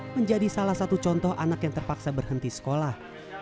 menjadi salah satu contoh anak yang terpaksa berhenti sekolah